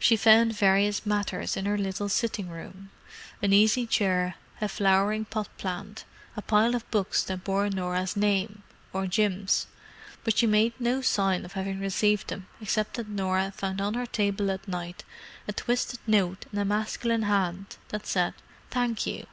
She found various matters in her little sitting room: an easy chair, a flowering pot plant, a pile of books that bore Norah's name—or Jim's; but she made no sign of having received them except that Norah found on her table at night a twisted note in a masculine hand that said "Thank you.